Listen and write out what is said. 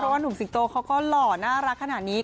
ว่านุ่มสิงโตเขาก็หล่อน่ารักขนาดนี้